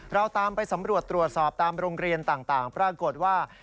เราตามไปสำรวจตรวจสอบตามโรงเรียนต่างปรากฏว่า